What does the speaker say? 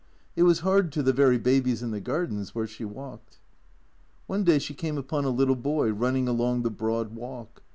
It was hard to the very babies in the Gardens, where she walked. One day she came upon a little boy running along the Broad Walk.